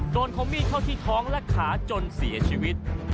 คมมีดเข้าที่ท้องและขาจนเสียชีวิต